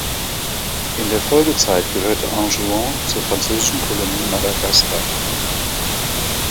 In der Folgezeit gehörte Anjouan zur französischen Kolonie Madagaskar.